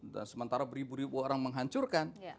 dan sementara beribu ribu orang menghancurkan